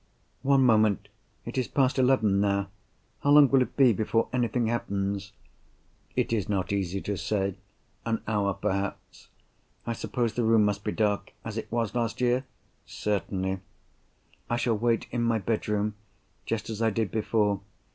"One moment! It is past eleven now. How long will it be before anything happens?" "It is not easy to say. An hour perhaps." "I suppose the room must be dark, as it was last year?" "Certainly." "I shall wait in my bedroom—just as I did before.